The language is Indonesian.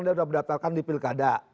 dia sudah berdaftarkan di pilkada